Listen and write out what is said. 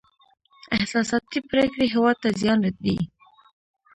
احساساتي پرېکړې هېواد ته زیان دی.